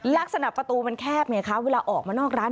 ลักษณะประตูมันแคบไงคะเวลาออกมานอกร้าน